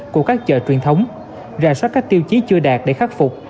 của các chợ truyền thống rà soát các tiêu chí chưa đạt để khắc phục